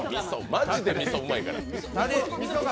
マジでうまいから！